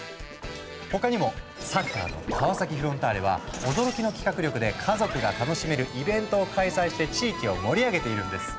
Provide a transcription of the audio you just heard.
他にもサッカーの川崎フロンターレは驚きの企画力で家族が楽しめるイベントを開催して地域を盛り上げているんです。